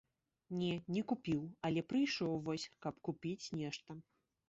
Не, не купіў, але прыйшоў вось, каб купіць нешта.